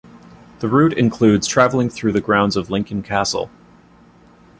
The route includes travelling through the grounds of Lincoln Castle.